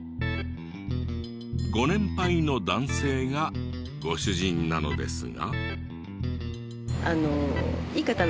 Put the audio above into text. ご年配の男性がご主人なのですが。